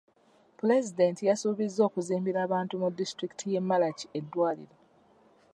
Pulezidenti yasuubiza okuzimbira abantu mu disitulikiti y'e Malachi eddwaliro.